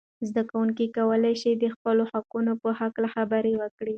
زده کوونکي کولای سي د خپلو حقونو په هکله خبرې وکړي.